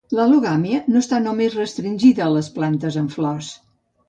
L'al·logàmia no està només restringida a les plantes amb flors.